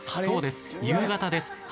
そうです夕方です